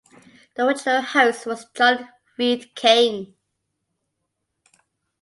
The original host was John Reed King.